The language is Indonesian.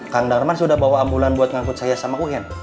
kang darman sudah bawa ambulan buat ngangkut saya sama uhen